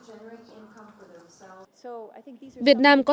việt nam có thể tiếp tục giảm nghèo